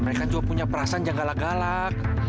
mereka juga punya perasaan yang galak galak